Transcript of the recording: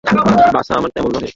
বাছা আমার তেমন নহে।